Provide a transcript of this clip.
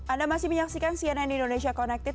anda masih menyaksikan cnn indonesia connected